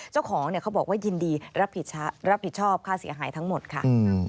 เจ้าของเขาบอกว่ายินดีรับผิดชอบค่าเสียหายทั้งหมดค่ะ